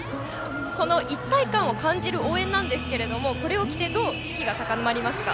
この一体感を感じる応援ですがこれを着てどう士気が高まりますか？